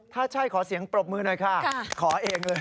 ถ้าใช่ขอเสียงปรบมือหน่อยค่ะขอเองเลย